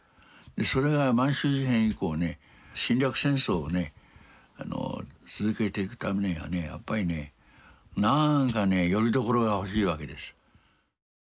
それが満州事変以降ね侵略戦争をね続けていくためにはねやっぱりねなんかねよりどころが欲しいわけです。